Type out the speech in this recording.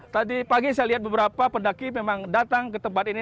tadi pagi saya lihat beberapa pendaki memang datang ke tempat ini